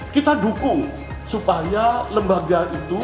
kita dukung supaya lembaga itu